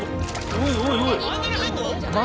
おいおいおい！